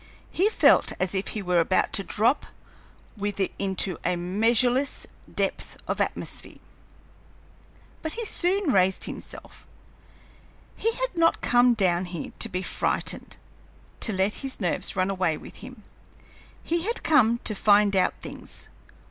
He felt as if he were about to drop with it into a measureless depth of atmosphere. But he soon raised himself. He had not come down here to be frightened, to let his nerves run away with him. He had come to find out things.